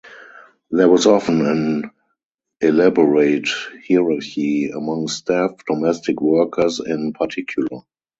There was often an elaborate hierarchy among staff, domestic workers in particular.